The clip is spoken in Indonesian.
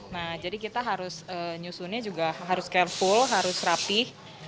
nah jadi kita harus nyusunnya juga harus careful harus rapih